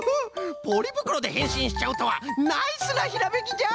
ポリぶくろでへんしんしちゃうとはナイスなひらめきじゃ！